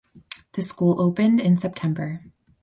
The school opened in September.